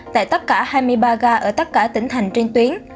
tại tất cả hai mươi ba ga ở tất cả tỉnh thành trên tuyến